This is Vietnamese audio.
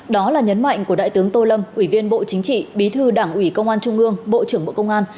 đó là nhấn mạnh của đại tướng tô lâm ủy viên bộ chính trị bí thư đảng ủy công an trung ương bộ trưởng bộ công an